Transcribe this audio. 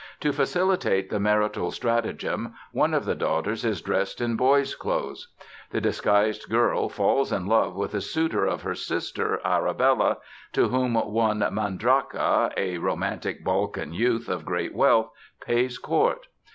To facilitate the marital stratagem one of the daughters is dressed in boy's clothes. The disguised girl falls in love with a suitor of her sister, Arabella, to whom one Mandryka, a romantic Balkan youth of great wealth, pays court.